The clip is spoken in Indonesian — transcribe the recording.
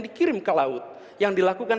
dikirim ke laut yang dilakukan